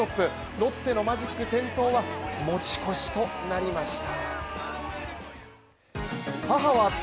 ロッテのマジック点灯は持ち越しとなりました。